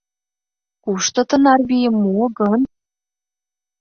Кушто тынар вийым муо гын?